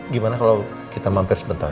gimana kalau kita mampir sebentar